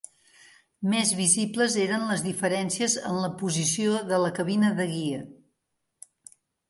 Més visibles eren les diferències en la posició de la cabina de guia.